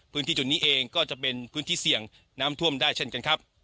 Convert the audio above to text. พื้นที่จุดนี้เองก็จะเป็นพื้นที่เสี่ยงน้ำท่วมได้เช่นกันครับ